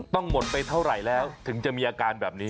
หมดไปเท่าไหร่แล้วถึงจะมีอาการแบบนี้